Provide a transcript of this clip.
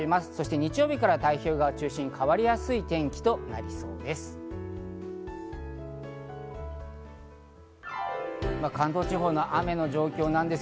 日曜日からは、太平洋側を中心に変わりやすい天気となりそうです。